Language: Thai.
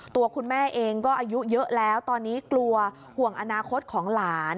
ตัวคุณแม่เองก็อายุเยอะแล้วตอนนี้กลัวห่วงอนาคตของหลาน